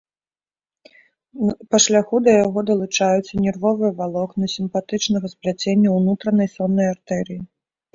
Па шляху да яго далучаюцца нервовыя валокны сімпатычнага спляцення унутранай соннай артэрыі.